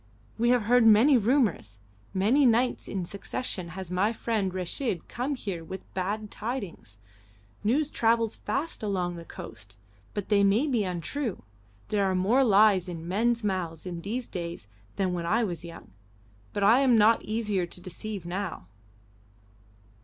"We have heard many rumours. Many nights in succession has my friend Reshid come here with bad tidings. News travels fast along the coast. But they may be untrue; there are more lies in men's mouths in these days than when I was young, but I am not easier to deceive now."